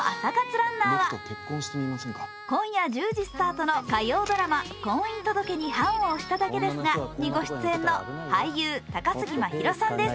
ランナーは今夜１０時スタートの火曜日ドラマ「婚姻届に判を捺しただけですが」に出演の俳優、高杉真宙さんです。